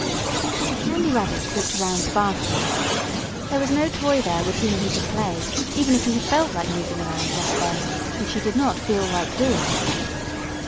The Candy Rabbit looked around the bathroom. There was no other toy there with whom he could play, even if he had felt like moving around just then, which he did not feel like doing.